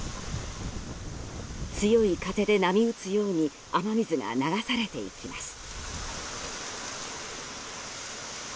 強い風で波打つように雨水が流されていきます。